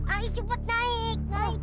ayah cepat naik